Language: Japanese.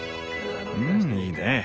うんいいね！